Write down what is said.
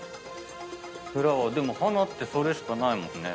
フラワーでも花ってそれしかないもんね。